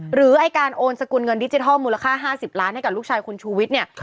ไอ้การโอนสกุลเงินดิจิทัลมูลค่า๕๐ล้านให้กับลูกชายคุณชูวิทย์เนี่ย